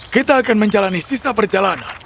kita akan menjalani sisa perjalanan